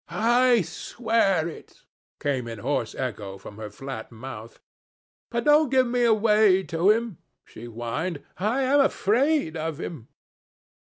"I swear it," came in hoarse echo from her flat mouth. "But don't give me away to him," she whined; "I am afraid of him.